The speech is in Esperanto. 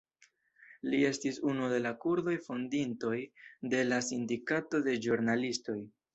Li estis unu de la kurdoj fondintoj de la Sindikato de Ĵurnalistoj.